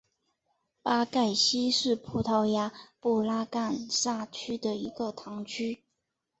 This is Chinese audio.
巴盖希是葡萄牙布拉干萨区的一个堂区。